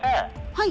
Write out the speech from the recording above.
はい。